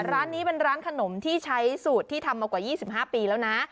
ร้านนี้เป็นร้านขนมที่ใช้สูตรที่ทำมากว่า๒๕ปีแล้วนะ